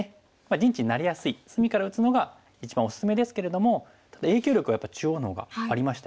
陣地になりやすい隅から打つのが一番おすすめですけれどもただ影響力はやっぱり中央の方がありましたよね。